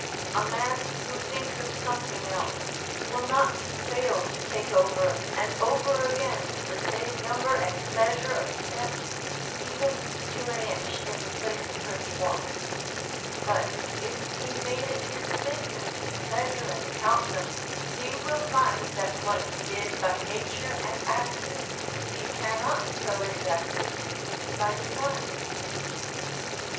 A man who thinks of something else, will not fail to take over and over again the same number and measure of steps, even to an inch, in the place where he walks; but if he made it his business to measure and count them, he will find that what he did by nature and accident, he cannot so exactly do by design.